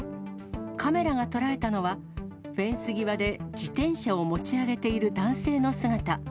カメラが捉えたのは、フェンス際で自転車を持ち上げている男性の姿。